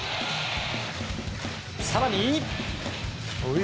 更に。